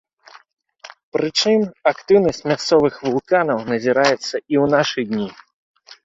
Прычым, актыўнасць мясцовых вулканаў назіраецца і ў нашы дні.